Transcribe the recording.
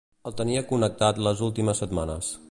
El tenia connectat les últimes setmanes.